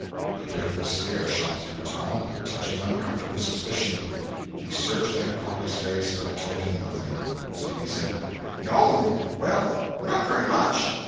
A bit of a scare shot through Tom—a touch of uncomfortable suspicion. He searched Aunt Polly's face, but it told him nothing. So he said: "No'm—well, not very much."